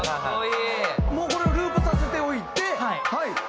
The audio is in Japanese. もうこれをループさせておいてはいはい。